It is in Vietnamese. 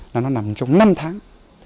nó nằm trong năm tháng